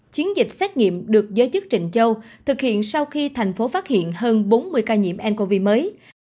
chiến dịch xét nghiệm được giới chức trịnh châu thực hiện sau khi thành phố phát hiện hơn bốn mươi ca nhiễm ncov mới